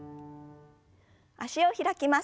脚を開きます。